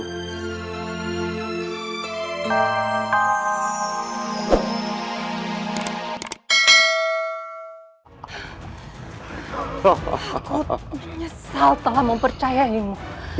aku menyesal telah mempercayainmu